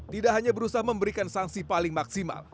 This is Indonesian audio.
tidak hanya berusaha memberikan sanksi paling maksimal